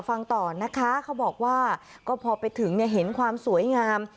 ฟังต่อนะคะเขาบอกว่าก็พอไปถึงเนี่ยเห็นความสวยงาม